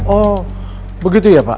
oh begitu ya pak